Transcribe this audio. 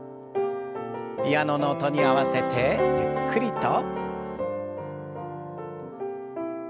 ピアノの音に合わせてゆっくりと。